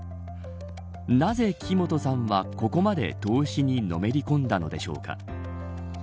なぜ木本さんはここまで投資にのめり込んだのでしょうか。